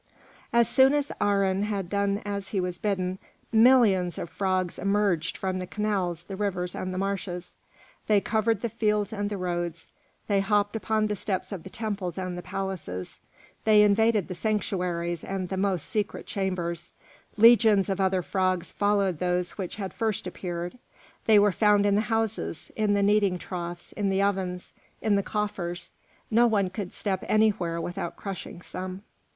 As soon as Aharon had done as he was bidden, millions of frogs emerged from the canals, the rivers, and the marshes; they covered the fields and the roads, they hopped upon the steps of the temples and the palaces, they invaded the sanctuaries and the most secret chambers; legions of other frogs followed those which had first appeared; they were found in the houses, in the kneading troughs, in the ovens, in the coffers; no one could step anywhere without crushing some.